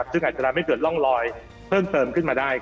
ซึ่งอาจจะทำให้เกิดร่องลอยเพิ่มเติมขึ้นมาได้